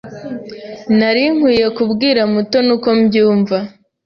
Nari nkwiye kubwira Mutoni uko mbyumva.